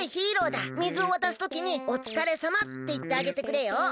水を渡すときに「おつかれさま」っていってあげてくれよ。